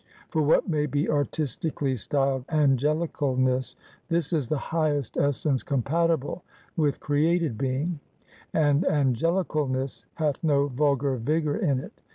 For what may be artistically styled angelicalness, this is the highest essence compatible with created being; and angelicalness hath no vulgar vigor in it.